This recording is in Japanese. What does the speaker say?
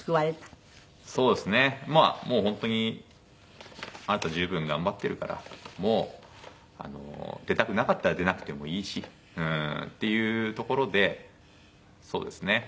そうですねまあもう本当にあなた十分頑張ってるからもう出たくなかったら出なくてもいいしっていうところでそうですね